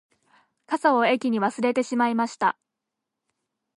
傘を駅に忘れてしまいました